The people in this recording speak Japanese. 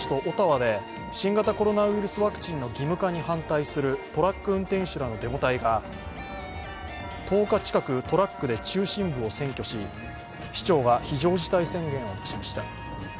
オタワで新型コロナウイルスワクチンの義務化に反対するトラック運転手らのデモ隊が１０日近く、トラックで中心部を占拠し市長が非常事態宣言を出しました。